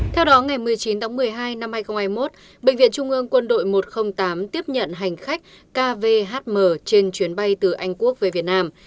theo đó ngày một mươi chín tháng một mươi hai năm hai nghìn hai mươi một bệnh viện trung ương quân đội một trăm linh tám tiếp nhận hành khách kvhm trên chuyến bay từ anh quốc về việt nam